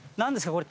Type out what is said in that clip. これ。